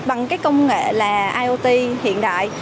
bằng cái công nghệ là iot hiện đại